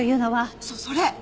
そうそれ。